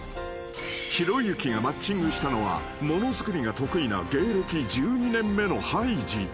［ひろゆきがマッチングしたのは物作りが得意な芸歴１２年目のハイジ］